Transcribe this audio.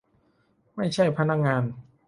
ไม่ใช่พนักงาน